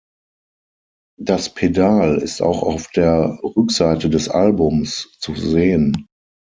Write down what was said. Das Pedal ist auch auf der Rückseite des Albums zu sehen.